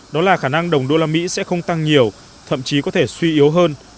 đó là khả năng đồng đô la mỹ sẽ không tăng nhiều thậm chí có thể suy yếu hơn